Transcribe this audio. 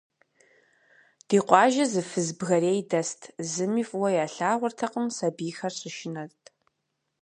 Ди къуажэ зы фыз бгэрей дэст, зыми фӏыуэ ялъагъуртэкъым, сабийхэр щышынэрт.